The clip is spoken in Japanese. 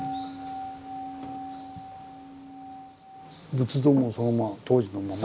仏像もその当時のまま？